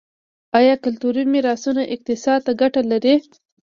آیا کلتوري میراثونه اقتصاد ته ګټه لري؟